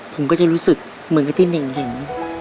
ผมก็จะรู้สึกเหมือนกับที่เน่งเห็น